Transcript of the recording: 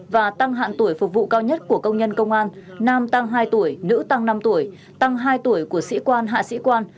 và tăng hạn tuổi phục vụ cao nhất của công nhân công an nam tăng hai tuổi nữ tăng năm tuổi tăng hai tuổi của sĩ quan hạ sĩ quan